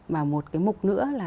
mà một cái mục nữa là